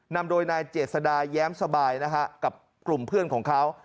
นำโดยนายเจษดาแย้มสบายนะฮะกับกลุ่มเพื่อนของเขา